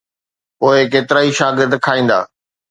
پوءِ ڪيترائي شاگرد کائيندا.